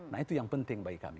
nah itu yang penting bagi kami